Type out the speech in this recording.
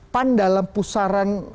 pan dalam pusaran